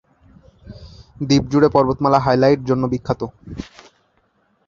দ্বীপ জুড়ে পর্বতমালা হাইলাইট জন্য বিখ্যাত।